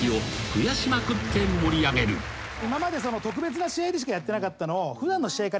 今まで特別な試合でしかやってなかったのを。